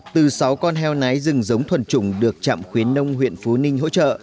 từ sáu con heo nái rừng giống thuần trùng được trạm khuyến nông huyện phú ninh hỗ trợ